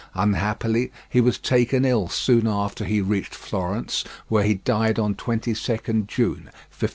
Unhappily he was taken ill soon after he reached Florence, where he died on 22nd June 1527.